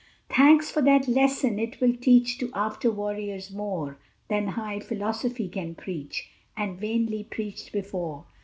Thanks for that lesson it will teach To after warriors more Than high Philosophy can preach, And vainly preached before.